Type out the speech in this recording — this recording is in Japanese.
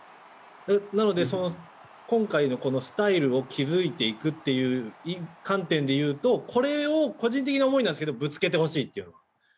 なので今回のスタイルを築いていくっていう観点でいうとこれを個人的な思いなんですけれどもぶつけてほしいっていうのが。